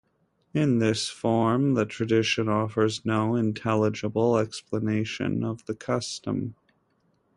In this form the tradition offers no intelligible explanation of the custom.